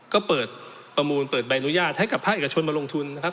ก็เปิดประมูลเปิดใบอนุญาตให้กับภาคเอกชนมาลงทุนนะครับ